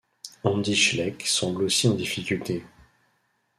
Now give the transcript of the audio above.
Andy Schleck semble aussi en difficulté.